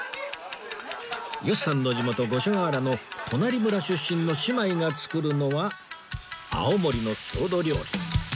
吉さんの地元五所川原の隣村出身の姉妹が作るのは青森の郷土料理